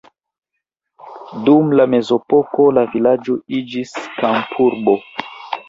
Dum la mezepoko la vilaĝo iĝis kampurbo.